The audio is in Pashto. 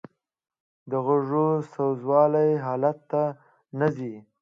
د غوړو سوځولو حالت ته نه ځي